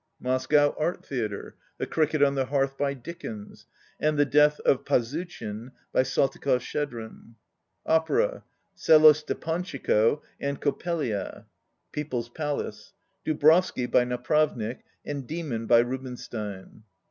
Moscow Art Theatre. — "The Cricket on the Hearth" by Dickens and "The Death of Fa zuchin" by Saltykov Shtchedrin. Opera. — "Selo Stepantchiko" and "Coppelia." People's Palace. — "Dubrovsky" by Napravnik and "Demon" by Rubinstein.